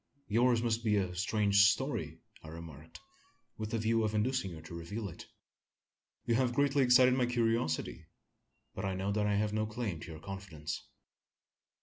"Yours must be a strange story?" I remarked, with a view of inducing her to reveal it. "You have greatly excited my curiosity; but I know that I have no claim to your confidence."